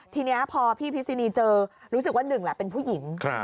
ทีนี้พอพี่พิษินีเจอรู้สึกว่าหนึ่งแหละเป็นผู้หญิง